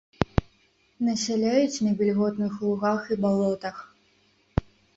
Насяляюць на вільготных лугах і балотах.